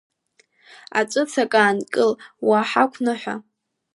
Аҵәыцак аанкыл, уааҳақәныҳә!